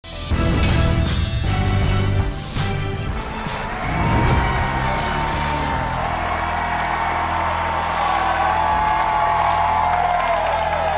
โปรดติดตามตอนต่อไป